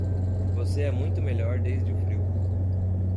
Você é muito melhor desde o frio.